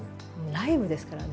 ライブですからね。